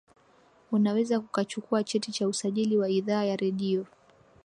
unaweza ukachukua cheti cha usajili wa idhaa ya redio